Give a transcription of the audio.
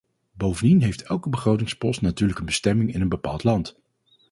Bovendien heeft elke begrotingspost natuurlijk een bestemming in een bepaald land.